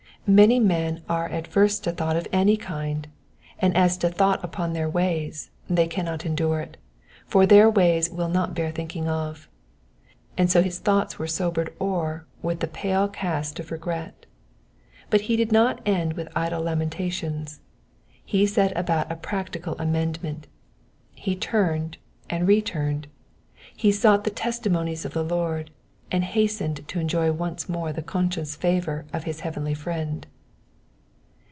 Many men are averse to thought of any kind, and as to thought upon their ways, they cannot endure it, for their ways will not bear thinking of. David's ways had not been all that he could have wished them to be, and so his thoughts were sobered o'er with the pale cast of regret ; but he did not end with idle lamentations, he set about a practical amendment ; he turned and returned, he sought the testimonies of the Lord, and hastened to enjoy once more the conscious favour of his heavenly friend.